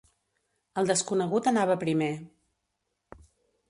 El desconegut anava primer.